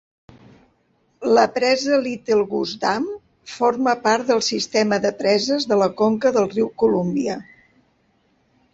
La presa Little Goose Dam forma part del sistema de preses de la conca del riu Columbia.